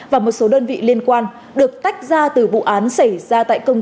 và một số đơn vị liên quan được tách ra từ vụ án xảy ra tại công